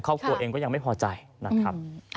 ครอบครัวเองก็ยังไม่พอใจนะครับ